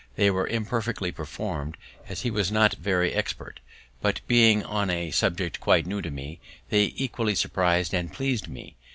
They were imperfectly perform'd, as he was not very expert; but, being on a subject quite new to me, they equally surpris'd and pleased me.